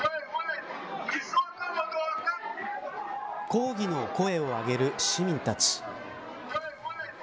抗議の声を上げる市民たち。